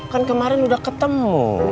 kan kemarin udah ketemu